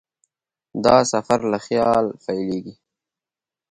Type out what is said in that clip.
دا سفر له خیال پیلېږي.